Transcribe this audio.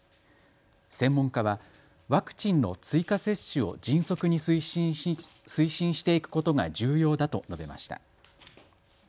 専門家はワクチンの追加接種を迅速に推進していくことが重要だと述べました。